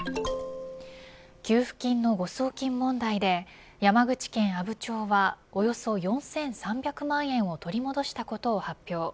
給付金の誤送金問題で山口県阿武町はおよそ４３００万円を取り戻したことを発表。